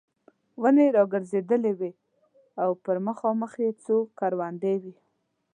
ونې را ګرځېدلې وې او پر مخامخ یې څو کروندې وې.